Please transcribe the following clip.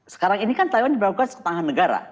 sekarang ini kan taiwan berangkat seketangga negara